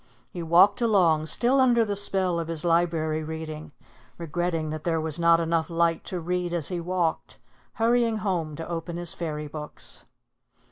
He walked along, still under the spell of his Library reading, regretting that there was not enough light to read as he walked, hurrying home to open his fairy books.